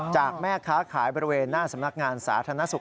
จากแม่ค้าขายบริเวณหน้าสำนักงานสาธารณสุข